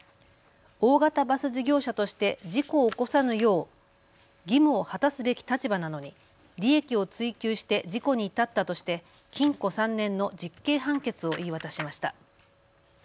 大型バス事業者として事故を起こさぬよう義務を果たすべき立場なのに利益を追求して事故に至ったとして禁錮３年の実刑判決を言い渡しました。